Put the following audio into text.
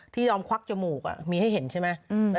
ยอมควักจมูกมีให้เห็นใช่ไหม